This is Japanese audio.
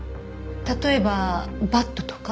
例えばバットとか？